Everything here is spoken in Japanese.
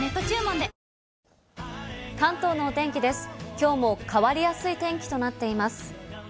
きょうも変わりやすい天気となっています。